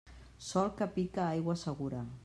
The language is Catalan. Sol que pica, aigua segura.